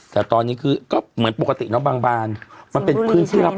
แต่ตอนนี้คือก็เหมือนปกติเนาะบางบานมันเป็นพื้นที่รับ